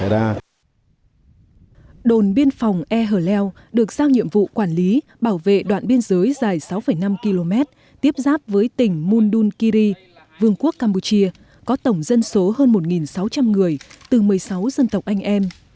đồn biên phòng e hờ leo được giao nhiệm vụ quản lý bảo vệ đoạn biên giới dài sáu năm km tiếp giáp với tỉnh mundunkiri vương quốc campuchia có tổng dân số hơn một sáu trăm linh người từ một mươi sáu dân tộc anh em